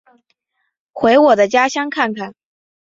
回我的家乡看看